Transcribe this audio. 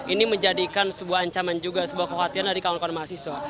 ini menjadikan sebuah ancaman juga sebuah kekhawatiran dari kawan kawan mahasiswa